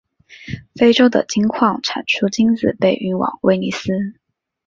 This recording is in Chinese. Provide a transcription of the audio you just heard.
非洲的金矿产出金子被运往威尼斯。